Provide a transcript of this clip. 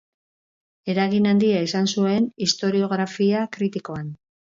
Eragin handia izan zuen historiografia kritikoan.